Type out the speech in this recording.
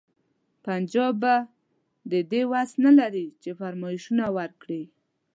پنجاب به د دې وس نه لري چې فرمایشونه ورکړي.